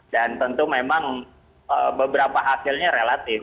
dan tentu memang beberapa hasilnya relatif